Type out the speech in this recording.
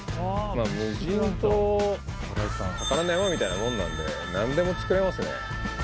無人島は宝の山みたいなものなんで、なんでも作れますね。